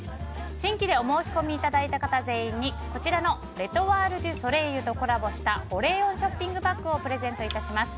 新規でお申し込みいただいた方全員に、こちらのレ・トワール・デュ・ソレイユとコラボした保冷温ショッピングバッグをプレゼント致します。